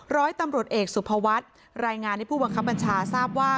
ร้อยตำรวจเอกสุภวัฒน์รายงานให้ผู้บังคับบัญชาทราบว่า